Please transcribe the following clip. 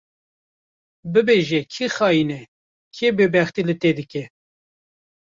Bibêje kî xayîn e, kê bêbextî li te dike